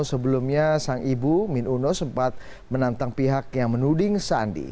sebelumnya sang ibu min uno sempat menantang pihak yang menuding sandi